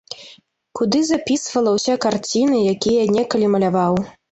Куды запісвала ўсе карціны, якія я некалі маляваў.